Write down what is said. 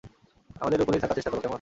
আমাদের উপরেই থাকার চেষ্টা কোরো, কেমন?